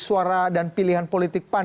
suara dan pilihan politik pan